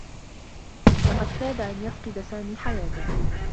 لقد كاد أن يفقد سامي حياته.